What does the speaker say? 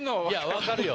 分かるよ。